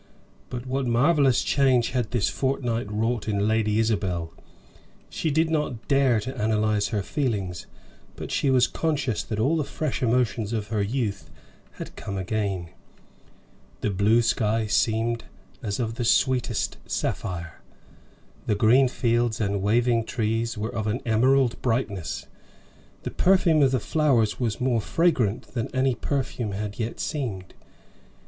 But what a marvellous change had this fortnight wrought in Lady Isabel! She did not dare to analyze her feelings, but she was conscious that all the fresh emotions of her youth had come again. The blue sky seemed as of the sweetest sapphire, the green fields and waving trees were of an emerald brightness, the perfume of the flowers was more fragrant than any perfume had yet seemed.